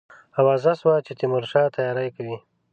آوازه سوه چې تیمورشاه تیاری کوي.